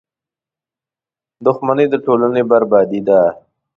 • دښمني د ټولنې بربادي ده.